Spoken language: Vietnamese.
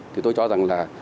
thì tôi cho rằng là